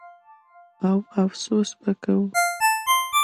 او افسوس به کوو.